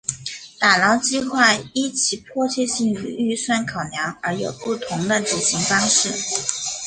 打捞计画依其迫切性与预算考量而有不同的执行方式。